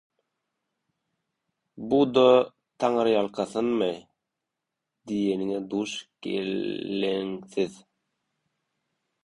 Bu-da taňryýalkasynyňmy?» diýenine duş gelensiňiz.